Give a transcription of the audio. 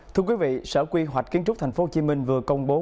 thưa quý vị sở quy hoạch kiến trúc tp hcm vừa công bố